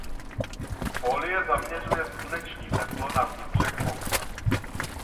Fólie zaměřuje sluneční teplo na vnitřek boxu.